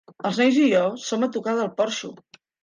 Els nois i jo ja som a tocar del porxo.